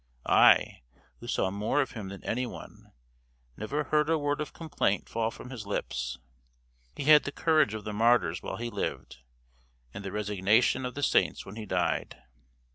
I, who saw more of him than anyone, never heard a word of complaint fall from his lips. He had the courage of the martyrs while he lived, and the resignation of the saints when he died.